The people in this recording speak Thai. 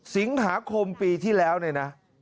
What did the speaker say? สิงหาคมปีที่แล้วเนี่ยนะ